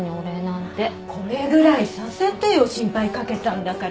これぐらいさせてよ心配かけたんだから。